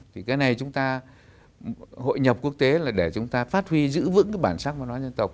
thì cái này chúng ta hội nhập quốc tế là để chúng ta phát huy giữ vững cái bản sắc văn hóa dân tộc